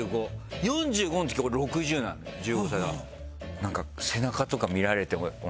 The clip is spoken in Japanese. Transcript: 何か背中とか見られて。